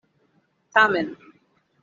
Tamen.